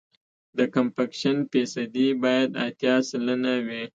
د کمپکشن فیصدي باید اتیا سلنه وي